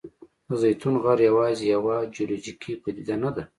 د زیتون غر یوازې یوه جیولوجیکي پدیده نه ده.